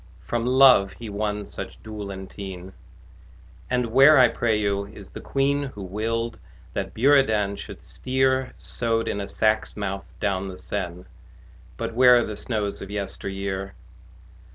(From Love he won such dule and teen!) [grief and pain] And where, I pray you, is the queen Who willed that Buridan should steer Sewed in a sack's mouth down the seine? ... But where are the snows of yesteryear?